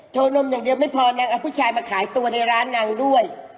วนมอย่างเดียวไม่พอนางเอาผู้ชายมาขายตัวในร้านนางด้วย